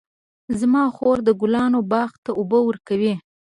زما خور د ګلانو باغ ته اوبه ورکوي.